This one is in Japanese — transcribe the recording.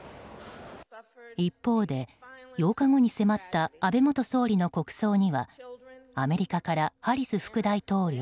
一方で、８日後に迫った安倍元総理の国葬にはアメリカからハリス副大統領